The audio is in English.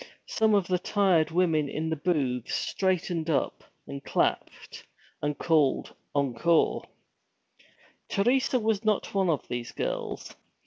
Some of the tired women in the booths straightened up and clapped, and called, 'Encore!' Teresa was not one of these girls.